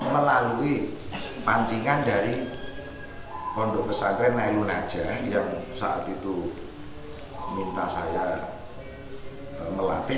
melalui pancingan dari pondok pesantren nail manajer yang saat itu minta saya melatih